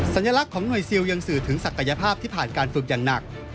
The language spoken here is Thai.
สัญลักษณ์ของหน่วยซิลยังสื่อถึงศักยภาพที่ผ่านการฝึกอย่างหนัก